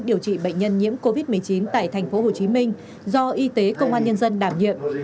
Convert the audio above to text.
điều trị bệnh nhân nhiễm covid một mươi chín tại tp hcm do y tế công an nhân dân đảm nhiệm